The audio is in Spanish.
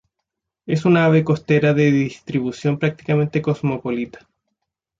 Es una ave costera de distribución prácticamente cosmopolita.